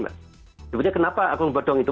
sebetulnya kenapa aku bodong itu